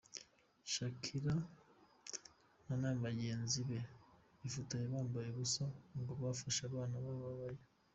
Shakira na nabajyenzi be bifotoje bambaye ubusa ngo bafashe abana bababaye